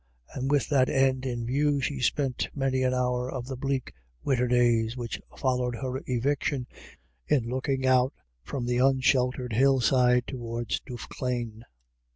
And with that end in view, she spent many an hour of the bleak winter days which followed her eviction in looking out from the unsheltered hillside towards Duffclane.